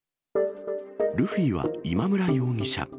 ルフィは今村容疑者。